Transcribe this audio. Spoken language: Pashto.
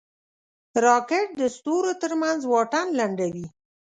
راکټ د ستورو ترمنځ واټن لنډوي